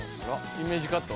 「イメージカット？」